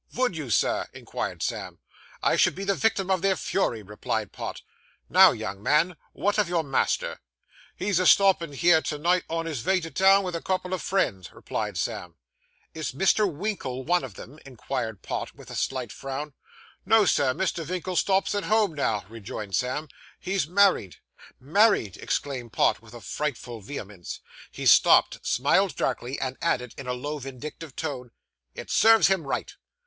Vould you, sir?' inquired Sam. 'I should be the victim of their fury,' replied Pott. 'Now young man, what of your master?' 'He's a stopping here to night on his vay to town, with a couple of friends,' replied Sam. 'Is Mr. Winkle one of them?' inquired Pott, with a slight frown. 'No, Sir. Mr. Vinkle stops at home now,' rejoined Sam. 'He's married.' 'Married!' exclaimed Pott, with frightful vehemence. He stopped, smiled darkly, and added, in a low, vindictive tone, 'It serves him right!